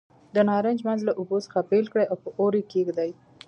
د نارنج منځ له اوبو څخه بېل کړئ او په اور یې کېږدئ.